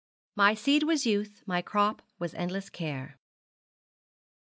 'MY SEED WAS YOUTH, MY CROP WAS ENDLESS CAKE.'